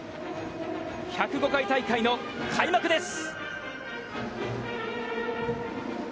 １０５回大会の開幕です！